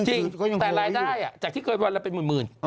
จริงแต่รายได้จากที่เคยวันละเป็นหมื่น